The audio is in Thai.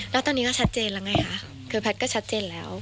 แล้วตอนนี้ก็ชัดเจนแล้วไงคะคือแพทย์ก็ชัดเจนแล้ว